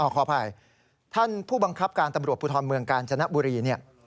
ขออภัยท่านผู้บังคับการตำรวจภูทรเมืองกาญจนบุรีเนี่ย